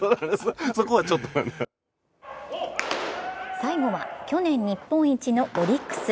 最後は、去年日本一のオリックス。